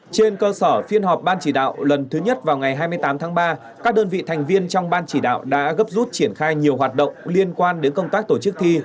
trên cơ sở phiên họp ban chỉ đạo lần thứ nhất vào ngày hai mươi tám tháng ba các đơn vị thành viên trong ban chỉ đạo đã gấp rút triển khai nhiều hoạt động liên quan đến công tác tổ chức thi